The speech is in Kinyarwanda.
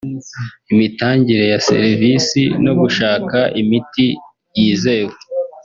imitangire ya serivisi no gushaka imiti yizewe